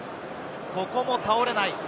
ここも倒れない！